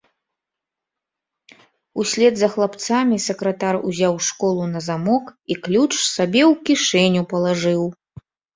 Услед за хлапцамі сакратар узяў школу на замок і ключ сабе ў кішэню палажыў.